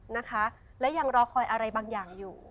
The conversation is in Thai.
นะคะและยังรอคอยอะไรบางอย่างอยู่